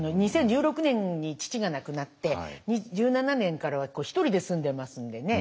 ２０１６年に父が亡くなって１７年からは一人で住んでますんでね。